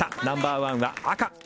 ナンバーワンは赤。